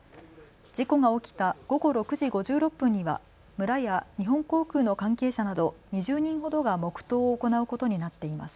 事故が起きた午後６時５６分には村や日本航空の関係者など２０人ほどが黙とうを行うことになっています。